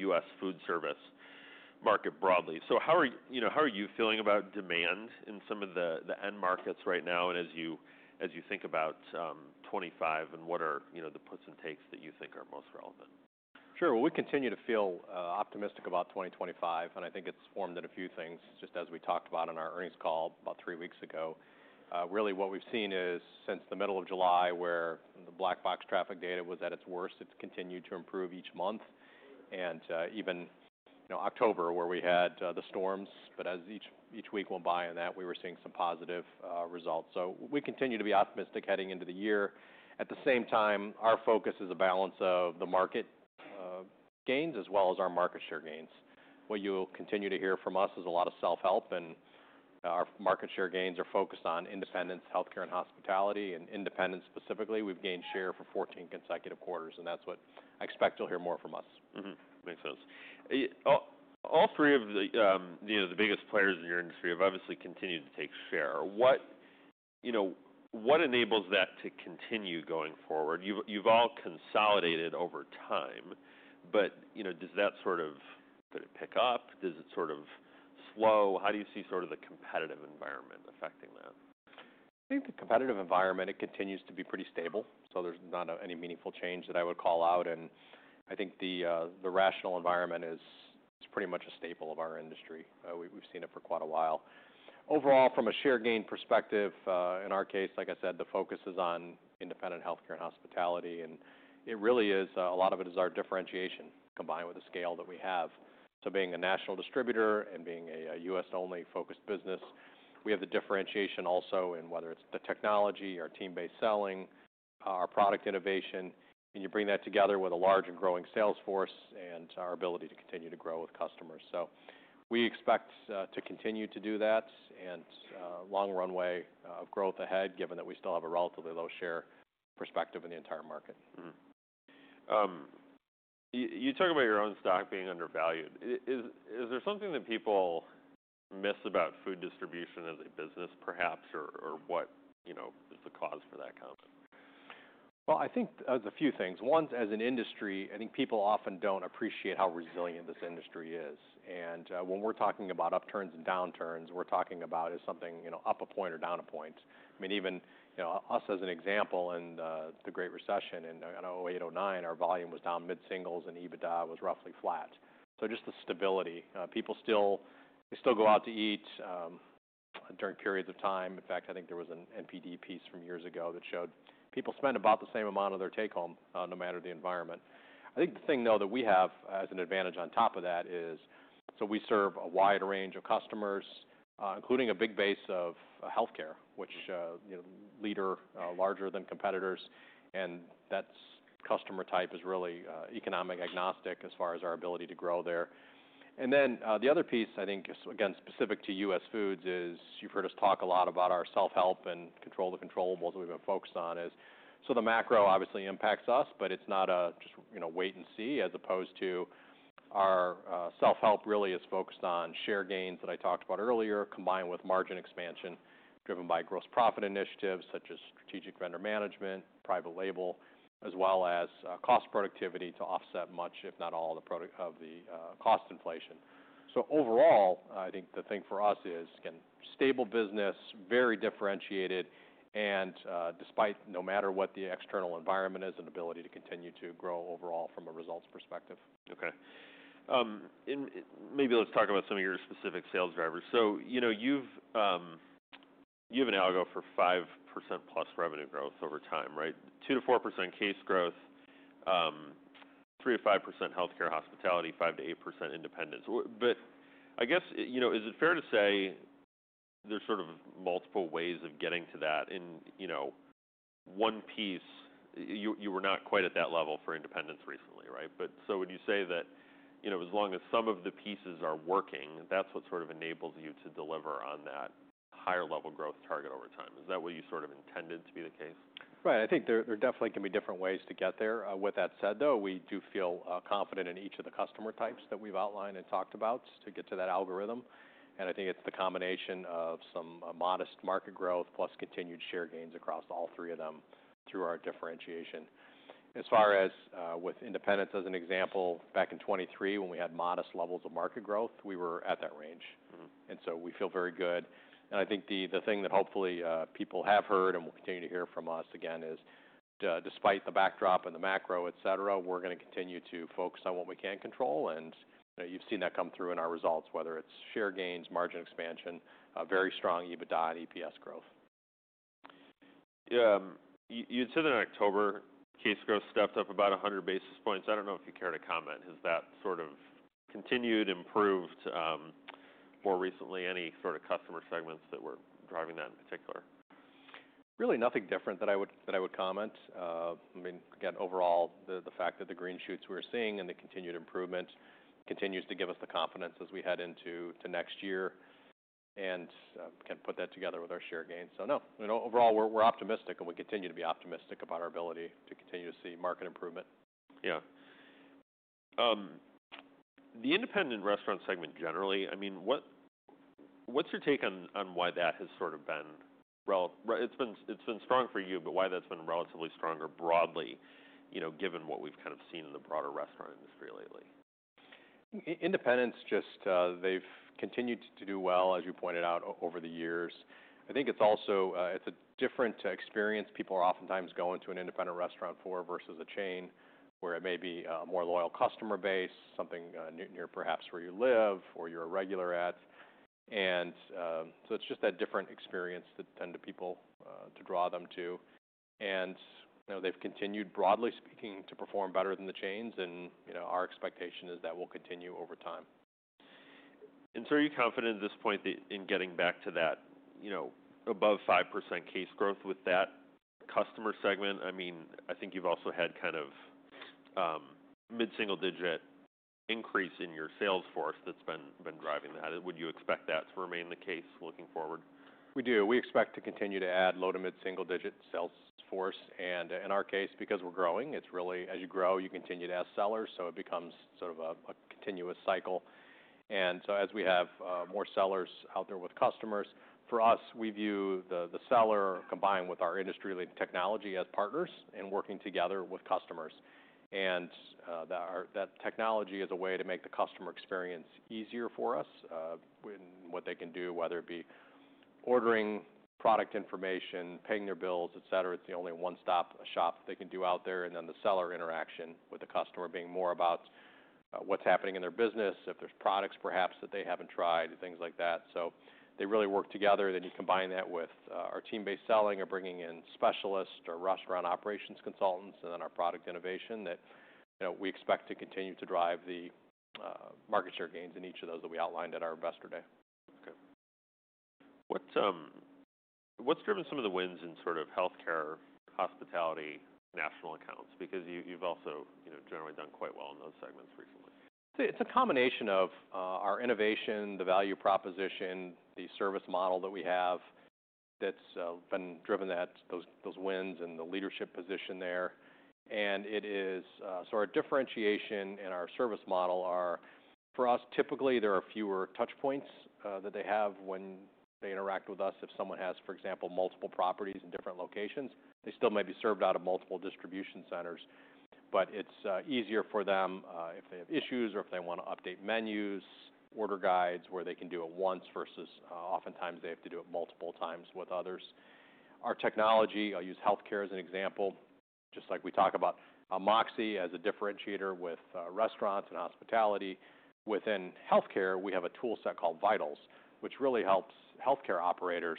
The US Foods service market broadly. So how are you feeling about demand in some of the end markets right now? And as you think about 2025, what are the puts and takes that you think are most relevant? Sure. Well, we continue to feel optimistic about 2025, and I think it's formed in a few things, just as we talked about in our earnings call about three weeks ago. Really, what we've seen is since the middle of July, where the Black Box traffic data was at its worst, it's continued to improve each month and even October, where we had the storms, but as each week went by, we were seeing some positive results so we continue to be optimistic heading into the year. At the same time, our focus is a balance of the market gains as well as our market share gains. What you'll continue to hear from us is a lot of self-help, and our market share gains are focused on independents, healthcare, and hospitality. Independents specifically, we've gained share for 14 consecutive quarters, and that's what I expect you'll hear more from us. Makes sense. All three of the biggest players in your industry have obviously continued to take share. What enables that to continue going forward? You've all consolidated over time, but does that sort of pick up? Does it sort of slow? How do you see sort of the competitive environment affecting that? I think the competitive environment continues to be pretty stable, so there's not any meaningful change that I would call out. And I think the rational environment is pretty much a staple of our industry. We've seen it for quite a while. Overall, from a share gain perspective, in our case, like I said, the focus is on independent healthcare and hospitality. And it really is, a lot of it is our differentiation combined with the scale that we have. So being a national distributor and being a U.S.-only focused business, we have the differentiation also in whether it's the technology, our team-based selling, our product innovation. And you bring that together with a large and growing sales force and our ability to continue to grow with customers. So we expect to continue to do that and a long runway of growth ahead, given that we still have a relatively low share perspective in the entire market. You talk about your own stock being undervalued. Is there something that people miss about food distribution as a business, perhaps, or what is the cause for that comment? I think there's a few things. One, as an industry, I think people often don't appreciate how resilient this industry is. When we're talking about upturns and downturns, we're talking about is something up a point or down a point. I mean, even us as an example in the Great Recession in 2008, 2009, our volume was down mid-singles, and EBITDA was roughly flat. Just the stability. People still go out to eat during periods of time. In fact, I think there was an NPD piece from years ago that showed people spend about the same amount of their take-home no matter the environment. I think the thing, though, that we have as an advantage on top of that is, so we serve a wide range of customers, including a big base of healthcare, which is larger than competitors. And that customer type is really economic agnostic as far as our ability to grow there. And then the other piece, I think, again, specific to US Foods is you've heard us talk a lot about our self-help and control of controllable that we've been focused on. So the macro obviously impacts us, but it's not just wait and see as opposed to our self-help really is focused on share gains that I talked about earlier, combined with margin expansion driven by gross profit initiatives such as strategic vendor management, private label, as well as cost productivity to offset much, if not all, of the cost inflation. So overall, I think the thing for us is stable business, very differentiated, and despite no matter what the external environment is, an ability to continue to grow overall from a results perspective. Okay. Maybe let's talk about some of your specific sales drivers. So you have an algo for 5%+ revenue growth over time, right? 2%-4% case growth, 3%-5% healthcare, hospitality, 5%-8% independent. But I guess, is it fair to say there's sort of multiple ways of getting to that? In one piece, you were not quite at that level for independent recently, right? But so would you say that as long as some of the pieces are working, that's what sort of enables you to deliver on that higher level growth target over time? Is that what you sort of intended to be the case? Right. I think there definitely can be different ways to get there. With that said, though, we do feel confident in each of the customer types that we've outlined and talked about to get to that algorithm. And I think it's the combination of some modest market growth plus continued share gains across all three of them through our differentiation. As far as with independents as an example, back in 2023, when we had modest levels of market growth, we were at that range. And so we feel very good. And I think the thing that hopefully people have heard and will continue to hear from us again is, despite the backdrop and the macro, etc., we're going to continue to focus on what we can control. And you've seen that come through in our results, whether it's share gains, margin expansion, very strong EBITDA and EPS growth. You had said in October case growth stepped up about 100 basis points. I don't know if you care to comment. Has that sort of continued, improved more recently? Any sort of customer segments that were driving that in particular? Really nothing different that I would comment. I mean, again, overall, the fact that the green shoots we're seeing and the continued improvement continues to give us the confidence as we head into next year and can put that together with our share gains. So no, overall, we're optimistic, and we continue to be optimistic about our ability to continue to see market improvement. Yeah. The independent restaurant segment generally, I mean, what's your take on why that has sort of been, it's been strong for you, but why that's been relatively stronger broadly, given what we've kind of seen in the broader restaurant industry lately? Independents, just they've continued to do well, as you pointed out, over the years. I think it's also a different experience. People are oftentimes going to an independent restaurant for versus a chain where it may be a more loyal customer base, something near perhaps where you live or you're a regular at. And so it's just that different experience that tend to people to draw them to. And they've continued, broadly speaking, to perform better than the chains. And our expectation is that will continue over time. And so are you confident at this point in getting back to that above 5% case growth with that customer segment? I mean, I think you've also had kind of mid-single digit increase in your sales force that's been driving that. Would you expect that to remain the case looking forward? We do. We expect to continue to add low- to mid-single-digit sales force. And in our case, because we're growing, it's really as you grow, you continue to add sellers, so it becomes sort of a continuous cycle. And so as we have more sellers out there with customers, for us, we view the seller combined with our industry-leading technology as partners and working together with customers. And that technology is a way to make the customer experience easier for us in what they can do, whether it be ordering product information, paying their bills, etc. It's the only one-stop shop they can do out there. And then the seller interaction with the customer being more about what's happening in their business, if there's products perhaps that they haven't tried, things like that. So they really work together. Then you combine that with our team-based selling or bringing in specialists or restaurant operations consultants, and then our product innovation that we expect to continue to drive the market share gains in each of those that we outlined at our Investor Day. Okay. What's driven some of the wins in sort of healthcare, hospitality, national accounts? Because you've also generally done quite well in those segments recently. It's a combination of our innovation, the value proposition, the service model that we have that's been driven at those wins and the leadership position there, and it is sort of differentiation in our service model are, for us, typically there are fewer touch points that they have when they interact with us. If someone has, for example, multiple properties in different locations, they still may be served out of multiple distribution centers. But it's easier for them if they have issues or if they want to update menus, order guides, where they can do it once versus oftentimes they have to do it multiple times with others. Our technology, I'll use healthcare as an example, just like we talk about, MOXē as a differentiator with restaurants and hospitality. Within healthcare, we have a toolset called VITALS, which really helps healthcare operators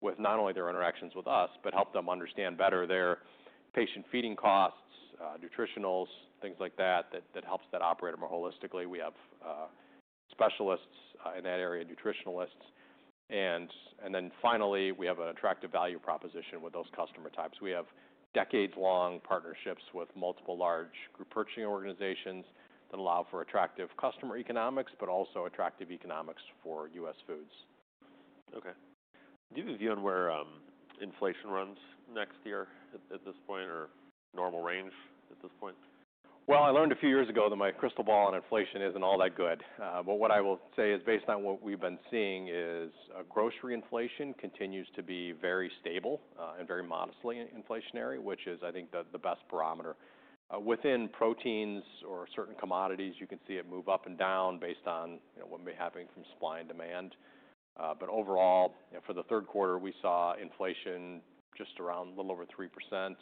with not only their interactions with us, but help them understand better their patient feeding costs, nutritionals, things like that, that helps that operator more holistically. We have specialists in that area, nutritionalists, and then finally, we have an attractive value proposition with those customer types. We have decades-long partnerships with multiple large group purchasing organizations that allow for attractive customer economics, but also attractive economics for US Foods. Okay. Do you have a view on where inflation runs next year at this point or normal range at this point? I learned a few years ago that my crystal ball on inflation isn't all that good. But what I will say is based on what we've been seeing is grocery inflation continues to be very stable and very modestly inflationary, which is, I think, the best barometer. Within proteins or certain commodities, you can see it move up and down based on what may be happening from supply and demand. But overall, for the third quarter, we saw inflation just around a little over 3%. It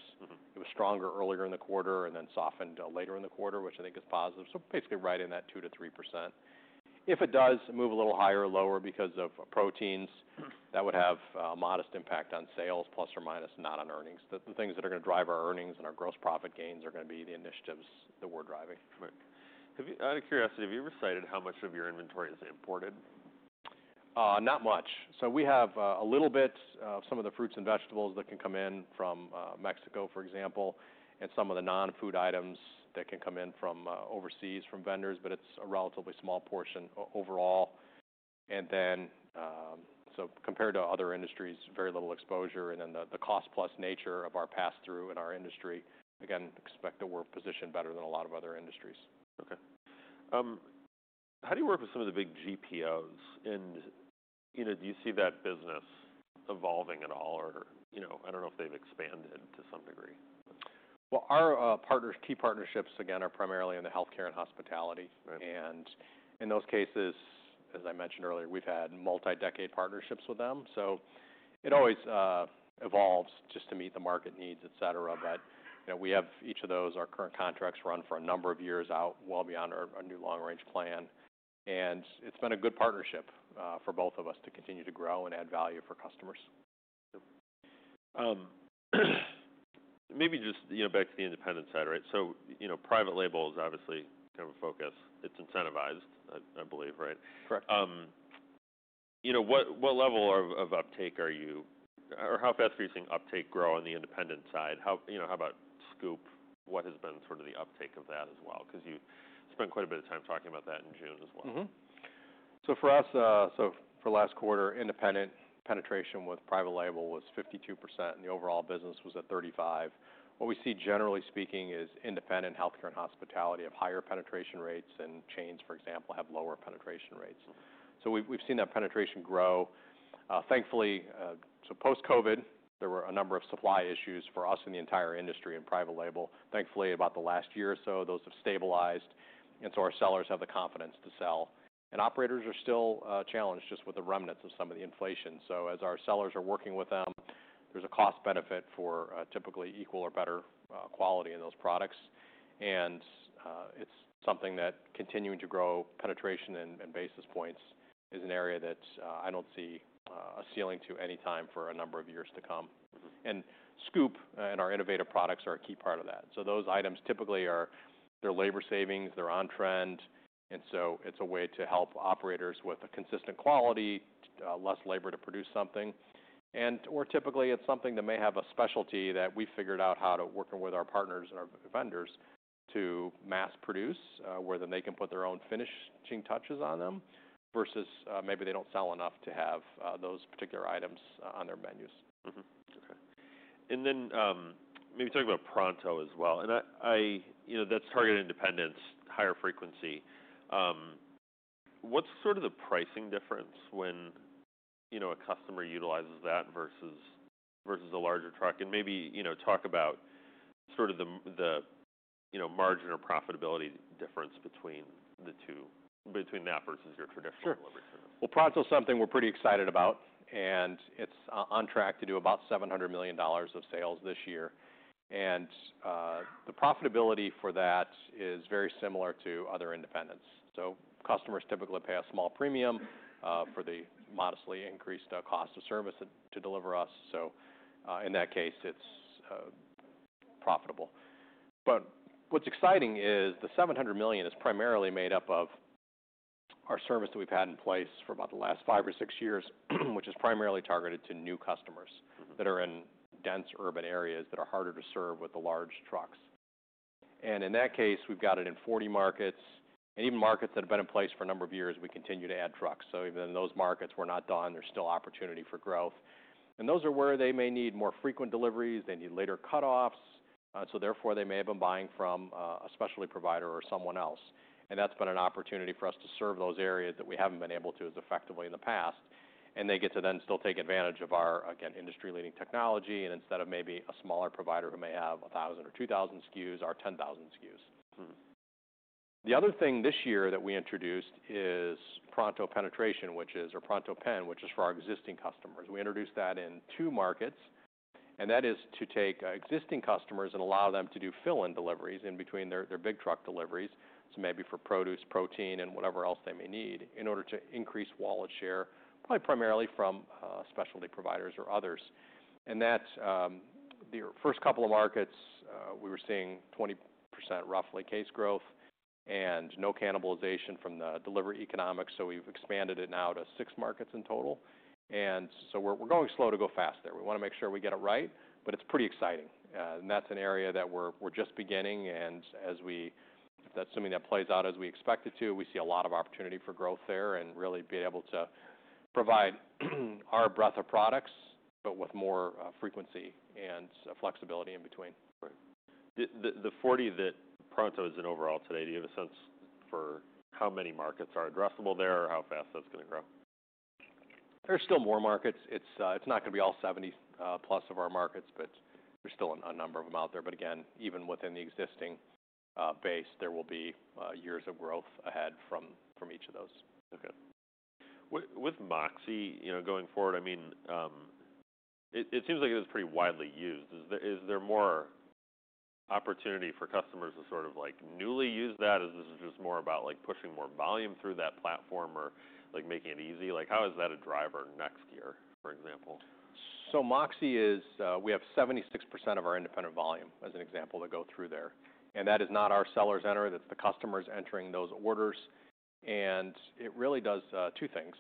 was stronger earlier in the quarter and then softened later in the quarter, which I think is positive. So basically right in that 2%-3%. If it does move a little higher or lower because of proteins, that would have a modest impact on sales, plus or minus, not on earnings. The things that are going to drive our earnings and our gross profit gains are going to be the initiatives that we're driving. Right. Out of curiosity, have you ever cited how much of your inventory is imported? Not much, so we have a little bit of some of the fruits and vegetables that can come in from Mexico, for example, and some of the non-food items that can come in from overseas from vendors, but it's a relatively small portion overall, and then so compared to other industries, very little exposure, and then the cost-plus nature of our pass-through in our industry. Again, expect that we're positioned better than a lot of other industries. Okay. How do you work with some of the big GPOs and do you see that business evolving at all, or I don't know if they've expanded to some degree? Well, our key partnerships, again, are primarily in the healthcare and hospitality. And in those cases, as I mentioned earlier, we've had multi-decade partnerships with them. So it always evolves just to meet the market needs, etc. But we have each of those. Our current contracts run for a number of years out well beyond our new long-range plan. And it's been a good partnership for both of us to continue to grow and add value for customers. Maybe just back to the independent side, right? So private label is obviously kind of a focus. It's incentivized, I believe, right? Correct. What level of uptake are you or how fast are you seeing uptake grow on the independent side? How about Scoop? What has been sort of the uptake of that as well? Because you spent quite a bit of time talking about that in June as well. For us, so for last quarter, independent penetration with private label was 52%, and the overall business was at 35%. What we see, generally speaking, is independent healthcare and hospitality have higher penetration rates, and chains, for example, have lower penetration rates. We've seen that penetration grow. Thankfully, post-COVID, there were a number of supply issues for us in the entire industry and private label. Thankfully, about the last year or so, those have stabilized, so our sellers have the confidence to sell, and operators are still challenged just with the remnants of some of the inflation. As our sellers are working with them, there's a cost benefit for typically equal or better quality in those products. And it's something that continuing to grow penetration and basis points is an area that I don't see a ceiling to any time for a number of years to come. And Scoop and our innovative products are a key part of that. So those items typically are their labor savings, they're on trend. And so it's a way to help operators with a consistent quality, less labor to produce something. And or typically it's something that may have a specialty that we've figured out how to work with our partners and our vendors to mass produce where then they can put their own finishing touches on them versus maybe they don't sell enough to have those particular items on their menus. Okay. And then maybe talk about Pronto as well. And that's targeted independents, higher frequency. What's sort of the pricing difference when a customer utilizes that versus a larger truck? And maybe talk about sort of the margin or profitability difference between that versus your traditional delivery service. Sure. Well, Pronto is something we're pretty excited about. And it's on track to do about $700 million of sales this year. And the profitability for that is very similar to other independents. So customers typically pay a small premium for the modestly increased cost of service delivery. So in that case, it's profitable. But what's exciting is the 700 million is primarily made up of our service that we've had in place for about the last five or six years, which is primarily targeted to new customers that are in dense urban areas that are harder to serve with the large trucks. And in that case, we've got it in 40 markets. And even markets that have been in place for a number of years, we continue to add trucks. So even in those markets, we're not done. There's still opportunity for growth. And those are where they may need more frequent deliveries. They need later cutoffs. So therefore, they may have been buying from a specialty provider or someone else. And that's been an opportunity for us to serve those areas that we haven't been able to as effectively in the past. And they get to then still take advantage of our, again, industry-leading technology. And instead of maybe a smaller provider who may have 1,000 or 2,000 SKUs, our 10,000 SKUs. The other thing this year that we introduced is Pronto Penetration, which is, or Pronto Pen, which is for our existing customers. We introduced that in two markets. And that is to take existing customers and allow them to do fill-in deliveries in between their big truck deliveries. So maybe for produce, protein, and whatever else they may need in order to increase wallet share, probably primarily from specialty providers or others. And that's the first couple of markets we were seeing 20% roughly case growth and no cannibalization from the delivery economics. So we've expanded it now to six markets in total. And so we're going slow to go fast there. We want to make sure we get it right, but it's pretty exciting. And that's an area that we're just beginning. And as we, assuming that plays out as we expect it to, we see a lot of opportunity for growth there and really be able to provide our breadth of products, but with more frequency and flexibility in between. Right. The 40 that Pronto is in overall today, do you have a sense for how many markets are addressable there or how fast that's going to grow? There's still more markets. It's not going to be all 70+ of our markets, but there's still a number of them out there. But again, even within the existing base, there will be years of growth ahead from each of those. Okay. With MOXē going forward, I mean, it seems like it is pretty widely used. Is there more opportunity for customers to sort of newly use that? Is this just more about pushing more volume through that platform or making it easy? How is that a driver next year, for example? MOXē is. We have 76% of our Independent volume, as an example, that go through there. And that is not our sellers entering. That's the customers entering those orders. And it really does two things.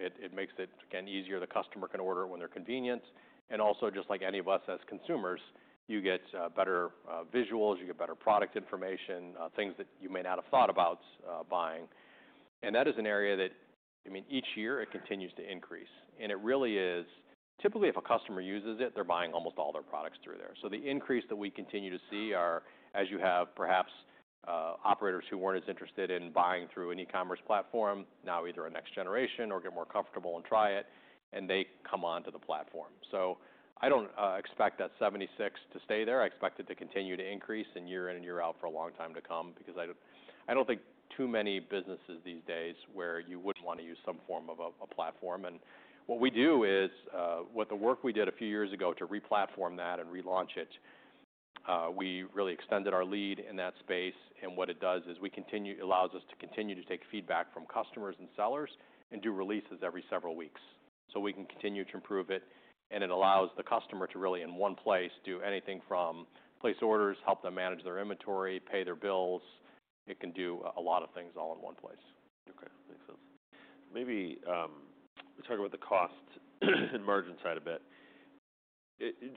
It makes it, again, easier. The customer can order it when they're convenient. And also, just like any of us as consumers, you get better visuals. You get better product information, things that you may not have thought about buying. And that is an area that, I mean, each year it continues to increase. And it really is, typically if a customer uses it, they're buying almost all their products through there. So the increase that we continue to see are as you have perhaps operators who weren't as interested in buying through an e-commerce platform, now either a next generation or get more comfortable and try it, and they come onto the platform. I don't expect that 76% to stay there. I expect it to continue to increase year in and year out for a long time to come because I don't think too many businesses these days where you wouldn't want to use some form of a platform. What we do is what the work we did a few years ago to replatform that and relaunch it, we really extended our lead in that space. What it does is it allows us to continue to take feedback from customers and sellers and do releases every several weeks. We can continue to improve it. It allows the customer to really, in one place, do anything from place orders, help them manage their inventory, pay their bills. It can do a lot of things all in one place. Okay. Makes sense. Maybe we talk about the cost and margin side a bit.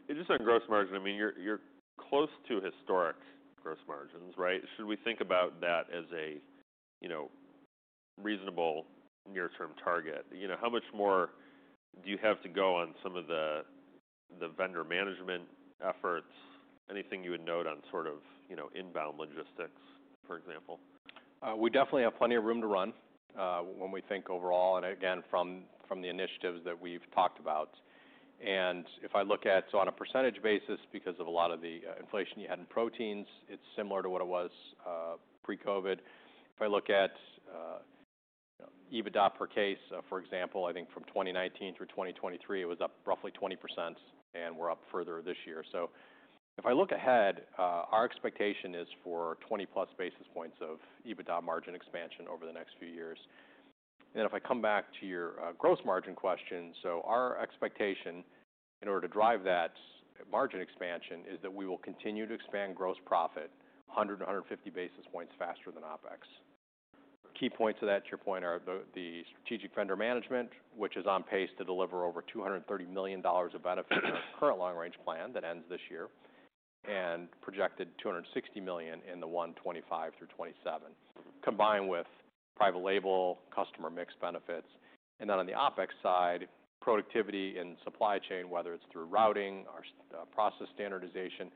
Just on gross margin, I mean, you're close to historic gross margins, right? Should we think about that as a reasonable near-term target? How much more do you have to go on some of the vendor management efforts? Anything you would note on sort of inbound logistics, for example? We definitely have plenty of room to run when we think overall and again, from the initiatives that we've talked about. And if I look at, so on a percentage basis, because of a lot of the inflation you had in proteins, it's similar to what it was pre-COVID. If I look at EBITDA per case, for example, I think from 2019 through 2023, it was up roughly 20% and we're up further this year. So if I look ahead, our expectation is for 20+ basis points of EBITDA margin expansion over the next few years. And then if I come back to your gross margin question, so our expectation in order to drive that margin expansion is that we will continue to expand gross profit 100-150 basis points faster than OpEx. Key points of that, to your point, are the strategic vendor management, which is on pace to deliver over $230 million of benefit in our current long-range plan that ends this year and projected $260 million in the 2025 through 2027, combined with private label, customer mix benefits. And then on the OpEx side, productivity and supply chain, whether it's through routing, our process standardization,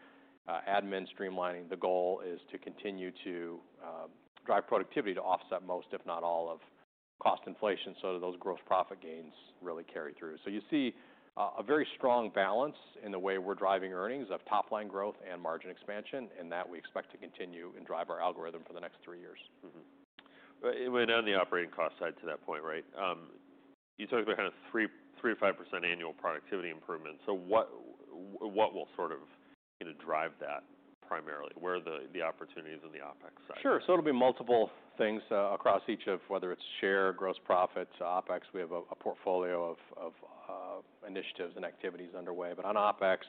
admin streamlining, the goal is to continue to drive productivity to offset most, if not all, of cost inflation so that those gross profit gains really carry through. So you see a very strong balance in the way we're driving earnings of top-line growth and margin expansion. And that we expect to continue and drive our algorithm for the next three years. Well, on the operating cost side to that point, right? You talked about kind of 3%-5% annual productivity improvement. So what will sort of drive that primarily? Where are the opportunities on the OpEx side? Sure, so it'll be multiple things across each of whether it's share, gross profits, OpEx. We have a portfolio of initiatives and activities underway. But on OpEx,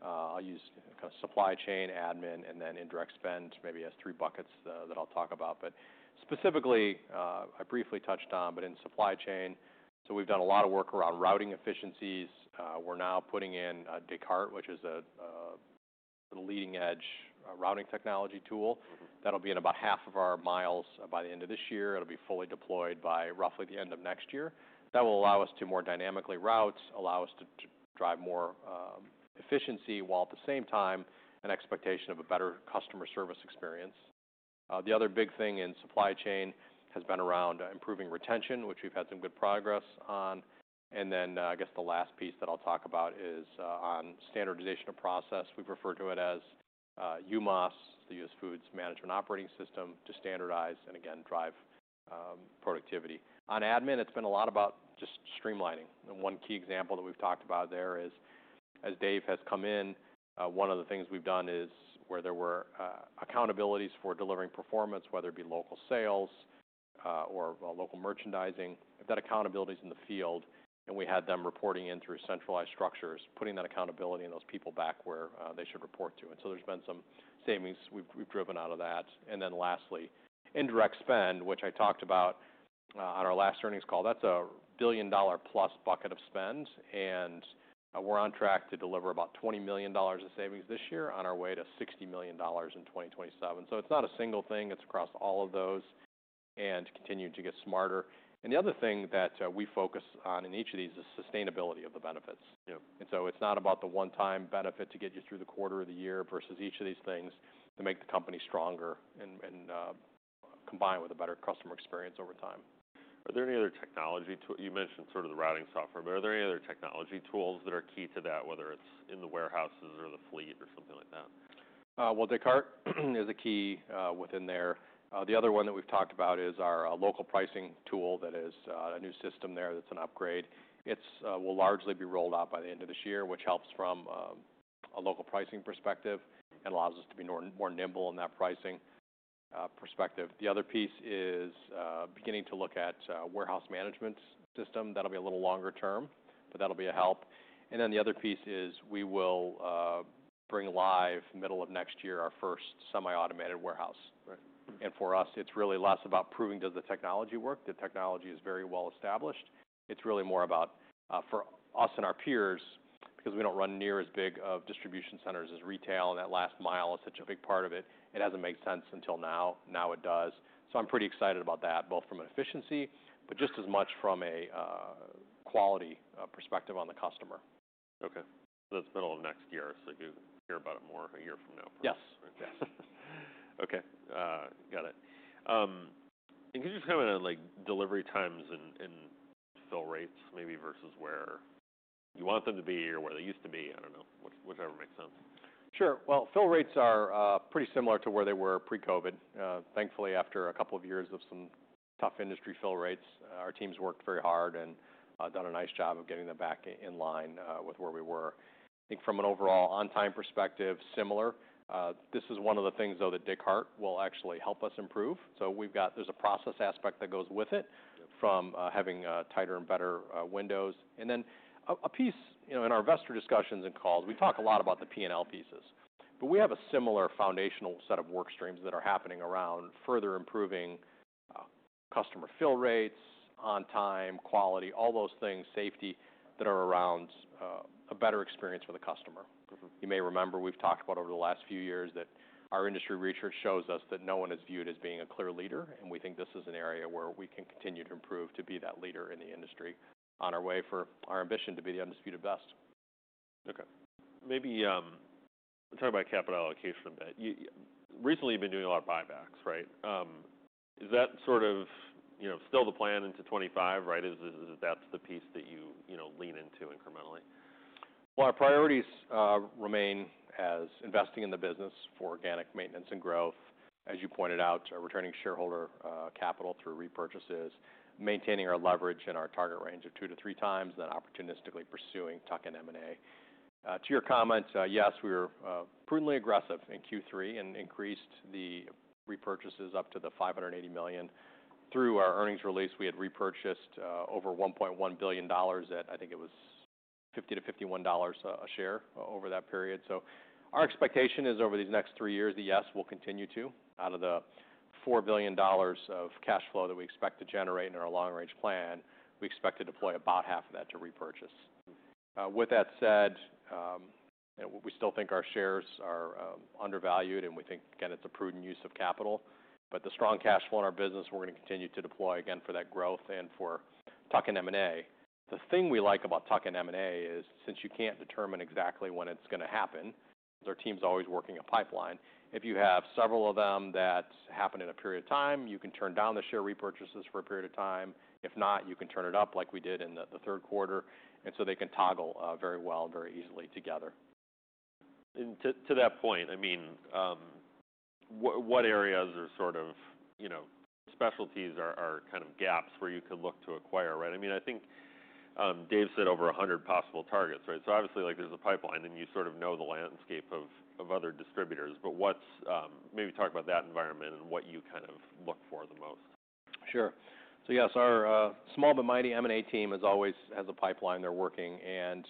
I'll use kind of supply chain, admin, and then indirect spend, maybe as three buckets that I'll talk about. But specifically, I briefly touched on, but in supply chain, so we've done a lot of work around routing efficiencies. We're now putting in Descartes, which is a leading-edge routing technology tool. That'll be in about half of our miles by the end of this year. It'll be fully deployed by roughly the end of next year. That will allow us to more dynamically route, allow us to drive more efficiency while at the same time an expectation of a better customer service experience. The other big thing in supply chain has been around improving retention, which we've had some good progress on. And then, I guess, the last piece that I'll talk about is on standardization of process. We've referred to it as UMOS, the US Foods Management Operating System, to standardize and, again, drive productivity. On admin, it's been a lot about just streamlining. And one key example that we've talked about there is, as Dave has come in, one of the things we've done is where there were accountabilities for delivering performance, whether it be local sales or local merchandising. If that accountability is in the field and we had them reporting in through centralized structures, putting that accountability and those people back where they should report to. And so there's been some savings we've driven out of that. And then lastly, indirect spend, which I talked about on our last earnings call, that's a $1 billion+ bucket of spend. And we're on track to deliver about $20 million of savings this year on our way to $60 million in 2027. So it's not a single thing. It's across all of those and continuing to get smarter. And the other thing that we focus on in each of these is sustainability of the benefits. And so it's not about the one-time benefit to get you through the quarter of the year versus each of these things to make the company stronger and combined with a better customer experience over time. Are there any other technology? You mentioned sort of the routing software, but are there any other technology tools that are key to that, whether it's in the warehouses or the fleet or something like that? Descartes is a key within there. The other one that we've talked about is our local pricing tool that is a new system there that's an upgrade. It will largely be rolled out by the end of this year, which helps from a local pricing perspective and allows us to be more nimble in that pricing perspective. The other piece is beginning to look at a warehouse management system. That'll be a little longer term, but that'll be a help. And then the other piece is we will bring live middle of next year our first semi-automated warehouse. And for us, it's really less about proving does the technology work. The technology is very well established. It's really more about for us and our peers, because we don't run near as big of distribution centers as retail and that last mile is such a big part of it. It hasn't made sense until now. Now it does. So I'm pretty excited about that, both from an efficiency, but just as much from a quality perspective on the customer. Okay. That's middle of next year. So you'll hear about it more a year from now, perhaps. Yes. Yes. Okay. Got it, and could you just comment on delivery times and fill rates maybe versus where you want them to be or where they used to be? I don't know. Whichever makes sense. Sure. Well, fill rates are pretty similar to where they were pre-COVID. Thankfully, after a couple of years of some tough industry fill rates, our teams worked very hard and done a nice job of getting them back in line with where we were. I think from an overall on-time perspective, similar. This is one of the things, though, that Descartes will actually help us improve. So there's a process aspect that goes with it from having tighter and better windows. And then a piece in our investor discussions and calls, we talk a lot about the P&L pieces, but we have a similar foundational set of work streams that are happening around further improving customer fill rates, on-time, quality, all those things, safety that are around a better experience for the customer. You may remember we've talked about over the last few years that our industry research shows us that no one is viewed as being a clear leader, and we think this is an area where we can continue to improve to be that leader in the industry on our way for our ambition to be the undisputed best. Okay. Maybe we'll talk about capital allocation a bit. Recently, you've been doing a lot of buybacks, right? Is that sort of still the plan into 2025, right? Is that the piece that you lean into incrementally? Our priorities remain as investing in the business for organic maintenance and growth. As you pointed out, returning shareholder capital through repurchases, maintaining our leverage in our target range of 2x-3x, and then opportunistically pursuing tuck-in M&A. To your comments, yes, we were prudently aggressive in Q3 and increased the repurchases up to the $580 million. Through our earnings release, we had repurchased over $1.1 billion at, I think it was $50-$51 a share over that period. So our expectation is over these next three years, yes, we'll continue to. Out of the $4 billion of cash flow that we expect to generate in our long-range plan, we expect to deploy about half of that to repurchase. With that said, we still think our shares are undervalued, and we think, again, it's a prudent use of capital. But the strong cash flow in our business. We're going to continue to deploy again for that growth and for tuck-in M&A. The thing we like about tuck-in M&A is since you can't determine exactly when it's going to happen, our team's always working a pipeline. If you have several of them that happen in a period of time, you can turn down the share repurchases for a period of time. If not, you can turn it up like we did in the third quarter. And so they can toggle very well and very easily together. To that point, I mean, what areas or sort of specialties are kind of gaps where you could look to acquire, right? I mean, I think Dave said over 100 possible targets, right? So obviously, there's a pipeline, and you sort of know the landscape of other distributors. But maybe talk about that environment and what you kind of look for the most. Sure. So yes, our small but mighty M&A team has a pipeline they're working, and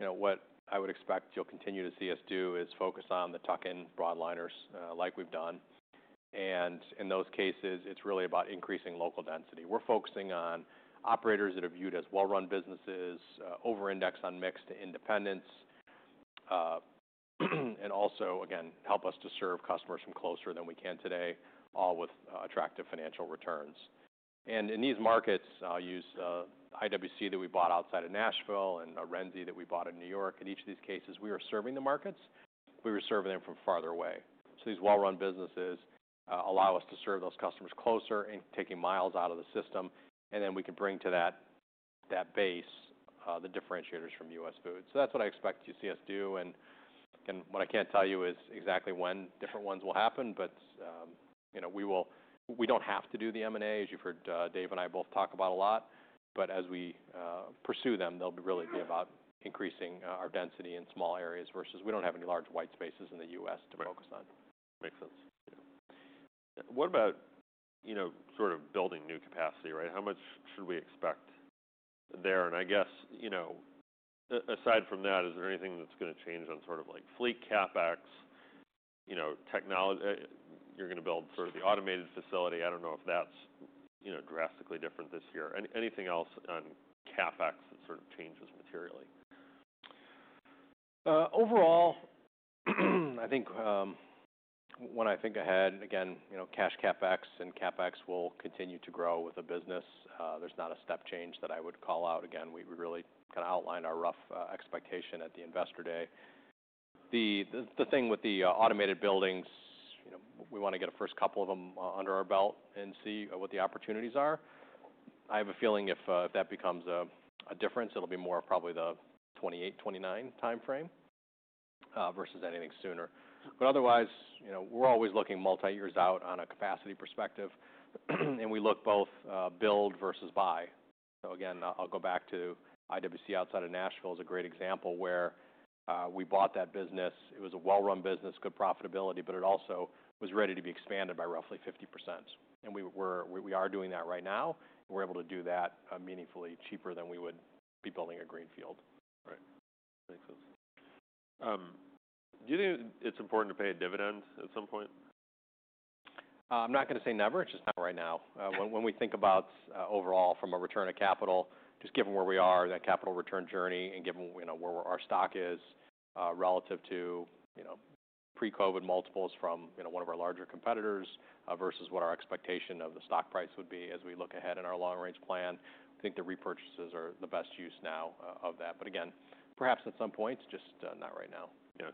what I would expect you'll continue to see us do is focus on the tuck-ins and broadliners like we've done, and in those cases, it's really about increasing local density. We're focusing on operators that are viewed as well-run businesses, over-index on mix of independents, and also, again, help us to serve customers from closer than we can today, all with attractive financial returns, and in these markets, I'll use IWC that we bought outside of Nashville and Renzi that we bought in New York. In each of these cases, we were serving the markets. We were serving them from farther away, so these well-run businesses allow us to serve those customers closer and taking miles out of the system, and then we can bring to that base the differentiators from US Foods. So that's what I expect you to see us do. And again, what I can't tell you is exactly when different ones will happen, but we don't have to do the M&A, as you've heard Dave and I both talk about a lot. But as we pursue them, they'll really be about increasing our density in small areas versus we don't have any large white spaces in the U.S. to focus on. Makes sense. What about sort of building new capacity, right? How much should we expect there? And I guess aside from that, is there anything that's going to change on sort of fleet CapEx, technology? You're going to build sort of the automated facility. I don't know if that's drastically different this year. Anything else on CapEx that sort of changes materially? Overall, I think when I think ahead, again, cash CapEx and CapEx will continue to grow with the business. There's not a step change that I would call out. Again, we really kind of outlined our rough expectation at the investor day. The thing with the automated buildings, we want to get a first couple of them under our belt and see what the opportunities are. I have a feeling if that becomes a difference, it'll be more of probably the 2028, 2029 timeframe versus anything sooner but otherwise, we're always looking multi-years out on a capacity perspective and we look both build versus buy so again, I'll go back to IWC outside of Nashville is a great example where we bought that business. It was a well-run business, good profitability, but it also was ready to be expanded by roughly 50% and we are doing that right now. We're able to do that meaningfully cheaper than we would be building a greenfield. Right. Makes sense. Do you think it's important to pay a dividend at some point? I'm not going to say never. It's just not right now. When we think about overall from a return of capital, just given where we are, that capital return journey, and given where our stock is relative to pre-COVID multiples from one of our larger competitors versus what our expectation of the stock price would be as we look ahead in our long-range plan, I think the repurchases are the best use now of that. But again, perhaps at some point, just not right now. Yeah.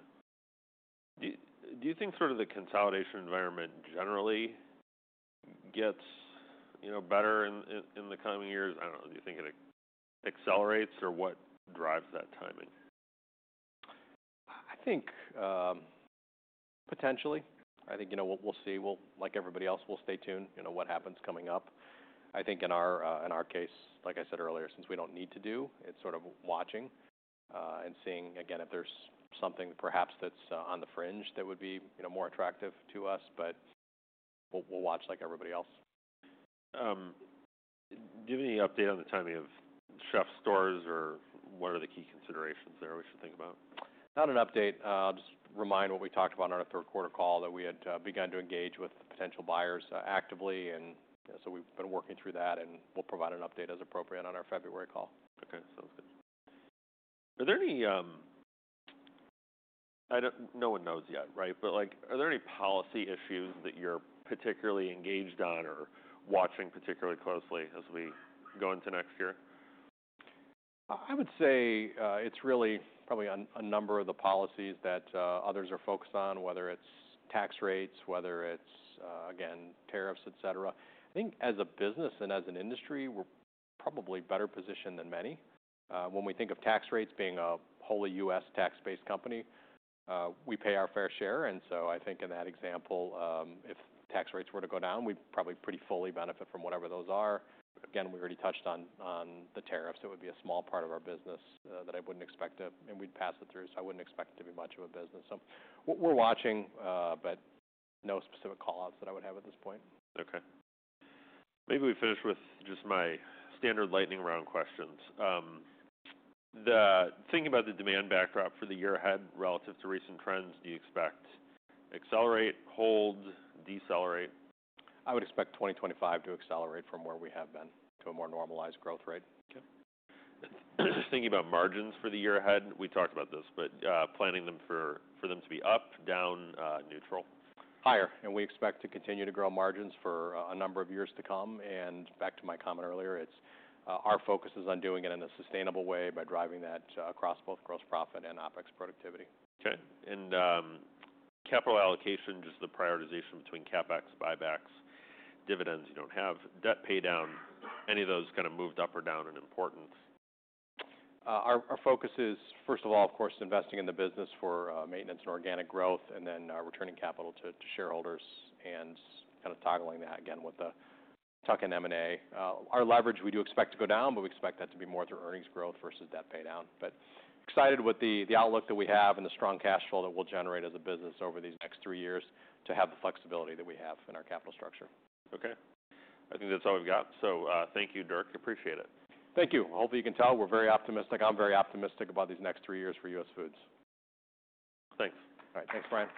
Do you think sort of the consolidation environment generally gets better in the coming years? I don't know. Do you think it accelerates or what drives that timing? I think potentially. I think we'll see. Like everybody else, we'll stay tuned what happens coming up. I think in our case, like I said earlier, since we don't need to do, it's sort of watching and seeing, again, if there's something perhaps that's on the fringe that would be more attractive to us, but we'll watch like everybody else. Do you have any update on the timing of CHEF'STORE stores or what are the key considerations there we should think about? Not an update. I'll just remind what we talked about on our third-quarter call that we had begun to engage with potential buyers actively. And so we've been working through that, and we'll provide an update as appropriate on our February call. Okay. Sounds good. Are there any—no one knows yet, right? But are there any policy issues that you're particularly engaged on or watching particularly closely as we go into next year? I would say it's really probably a number of the policies that others are focused on, whether it's tax rates, whether it's, again, tariffs, etc. I think as a business and as an industry, we're probably better positioned than many. When we think of tax rates being a wholly U.S. tax-based company, we pay our fair share. And so I think in that example, if tax rates were to go down, we'd probably pretty fully benefit from whatever those are. Again, we already touched on the tariffs. It would be a small part of our business that I wouldn't expect to, and we'd pass it through, so I wouldn't expect it to be much of a business. So we're watching, but no specific callouts that I would have at this point. Okay. Maybe we finish with just my standard lightning round questions. Thinking about the demand backdrop for the year ahead relative to recent trends, do you expect accelerate, hold, decelerate? I would expect 2025 to accelerate from where we have been to a more normalized growth rate. Okay. Thinking about margins for the year ahead, we talked about this, but planning for them to be up, down, neutral? Higher. And we expect to continue to grow margins for a number of years to come. And back to my comment earlier, our focus is on doing it in a sustainable way by driving that across both gross profit and OpEx productivity. Okay. And capital allocation, just the prioritization between CapEx, buybacks, dividends you don't have, debt paydown, any of those kind of moved up or down in importance? Our focus is, first of all, of course, investing in the business for maintenance and organic growth, and then returning capital to shareholders and kind of toggling that again with the tuck-in M&A. Our leverage, we do expect to go down, but we expect that to be more through earnings growth versus debt paydown. But excited with the outlook that we have and the strong cash flow that we'll generate as a business over these next three years to have the flexibility that we have in our capital structure. Okay. I think that's all we've got. So thank you, Dirk. Appreciate it. Thank you. Hopefully, you can tell. We're very optimistic. I'm very optimistic about these next three years for US Foods. Thanks. All right. Thanks, Brian.